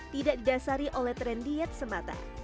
tidak didasari oleh tren diet semata